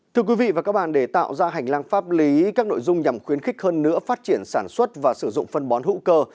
thưa quý vị và các bạn để tạo ra hành lang pháp lý các nội dung nhằm khuyến khích hơn nữa phát triển sản xuất và sử dụng phân bón hữu cơ